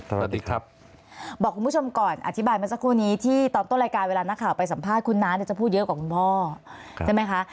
สวัสดีครับบอกคุณผู้ชมก่อนอธิบายมาสักครู่นี้ที่ตอนต้นรายการเวลานักข่าวไปสัมภาษณ์คุณน้าเนี่ยจะพูดเยอะกว่าคุณพ่อใช่ไหมคะ